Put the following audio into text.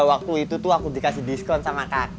waktu itu tuh aku dikasih diskon sama kak